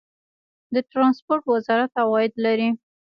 د ټرانسپورټ وزارت عواید لري؟